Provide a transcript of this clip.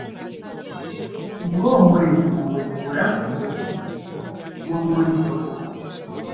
Nga omwezi mu bwengula, bwomulisa obulamu bwange .